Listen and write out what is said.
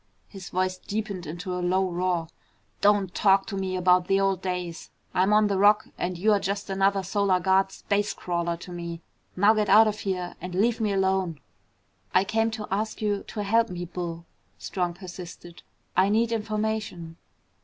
His voice deepened into a low roar. "Don't talk to me about the old days! I'm on the Rock and you're just another Solar Guard space crawler to me. Now get out of here and leave me alone." "I came to ask you to help me, Bull," Strong persisted. "I need information."